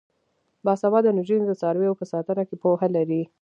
باسواده نجونې د څارویو په ساتنه کې پوهه لري.